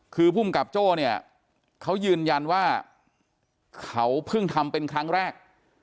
คือภูมิกับโจ้เนี่ยเขายืนยันว่าเขาเพิ่งทำเป็นครั้งแรก